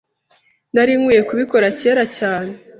Nari nkwiye kubikora kera cyane. .